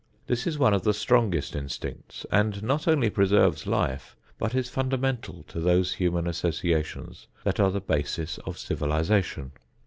This is one of the strongest instincts and not only preserves life but is fundamental to those human associations that are the basis of civilization.